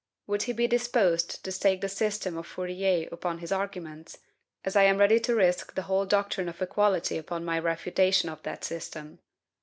Would he be disposed to stake the system of Fourier upon his arguments, as I am ready to risk the whole doctrine of equality upon my refutation of that system?